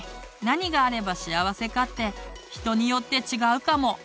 何があれば幸せかって人によって違うかも。